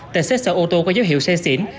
tài xét sở ô tô có dấu hiệu xe xỉn